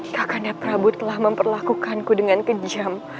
kakanda prabu telah memperlakukanku dengan kejam